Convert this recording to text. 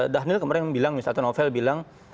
dhanil kemarin bilang misalnya novel bilang